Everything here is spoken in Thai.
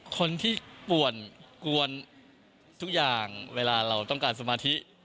คนที่ป่วนกวนทุกอย่างเวลาเราต้องการสมาธิ